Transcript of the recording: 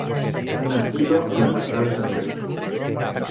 Nacido en la capital francesa.